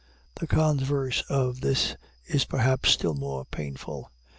The converse of this is perhaps still more painful.